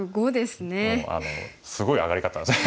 もうすごい上がり方。